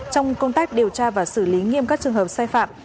trong công tác điều tra và xử lý nghiêm các trường hợp sai phạm